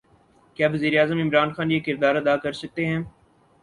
کیا وزیر اعظم عمران خان یہ کردار ادا کر سکتے ہیں؟